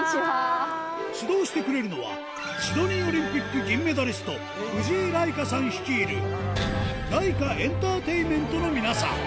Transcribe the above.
指導してくれるのは、シドニーオリンピック銀メダリスト、藤井来夏さん率いるライカエンターテインメントの皆さん。